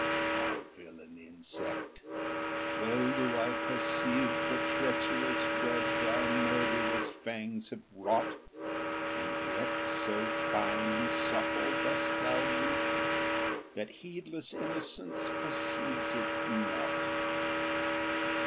Thou villain insect! well do I perceive The treacherous web thy murderous fangs have wrought, And yet so fine and subtle dost thou weave, That heedless innocence perceives it uot.